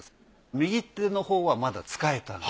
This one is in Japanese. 右手のほうはまだ使えた。